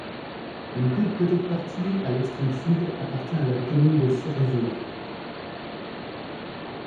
Une toute petite partie, à l'extrême sud, appartient à la commune de Surzur.